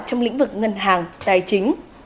trong lĩnh vực ngân hàng tài chính